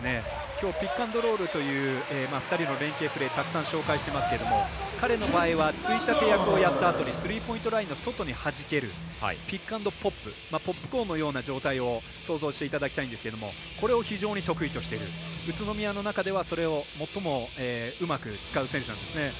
きょうピックアンドロールという２人の連係プレーをたくさん紹介してますけど彼の場合はついたて役をやったあとにスリーポイントラインの外にはじけるピックアンドポップポップコーンのような状況を想像していただきたいんですけどこれを非常に得意としている宇都宮の中ではそれを最もうまく使う選手なんですね。